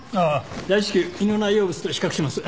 大至急胃の内容物と比較します。